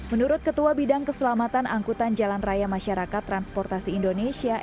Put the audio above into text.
menurut ketua bidang keselamatan angkutan jalan raya masyarakat transportasi indonesia